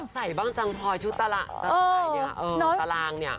อยากใส่บ้างจังพลอยชุดตารางเนี่ย